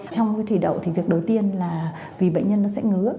trong cái thủy đậu thì việc đầu tiên là vì bệnh nhân nó sẽ ngứa